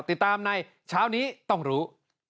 ติดตามในเช้านี้ต้องรู้